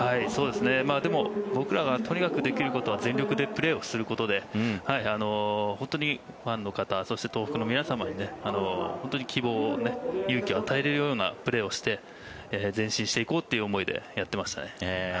でも、僕らがとにかくできることは全力でプレーすることで本当にファンの方そして東北の皆様に本当に希望、勇気を与えられるようなプレーをして前進していこうという思いでやってましたね。